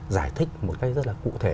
giải thích một cách rất là cụ thể